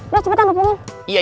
lo cepetan hubungin